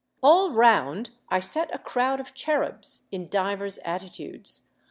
"All round I set a crowd of cherubs in divers attitudes.